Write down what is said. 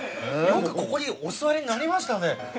よくここにお座りになりましたね。